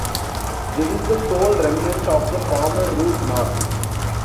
This is the sole remnant of the former route north.